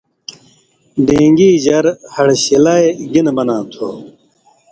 ڈېن٘گی ژر (ہڑہۡ شِلائ) گِنے بناں تھو؟